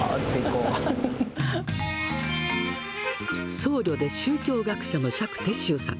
僧侶で宗教学者の釈徹宗さん。